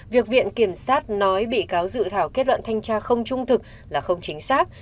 việc viện kiểm sát nói bị cáo dự thảo kết luận thanh tra không trung thực là không chính xác